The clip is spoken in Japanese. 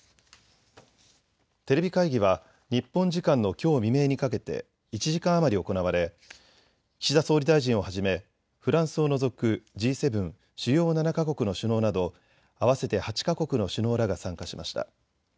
テレビ会議は日本時間のきょう未明にかけて１時間余り行われ岸田総理大臣をはじめフランスを除くＧ７・主要７か国の首脳など合わせて８か国の首脳らが参加しました。